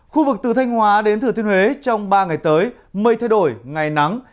khu vực từ thanh hóa đến thừa thiên huế trong ba ngày tới mây thay đổi ngày nắng